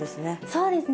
そうですね。